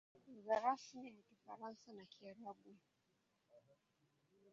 Lugha rasmi ni Kifaransa na Kiarabu.